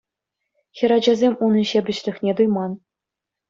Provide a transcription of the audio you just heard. Хӗрачасем унӑн ҫепӗҫлӗхне туйман.